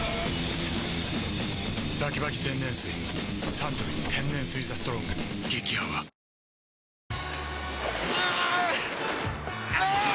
サントリー天然水「ＴＨＥＳＴＲＯＮＧ」激泡あ゛ーーー！